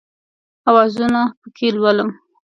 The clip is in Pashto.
اوازونه پکښې لولم